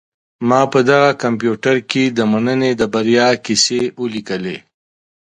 ما په دغه کمپیوټر کي د مننې د بریا کیسې ولیکلې.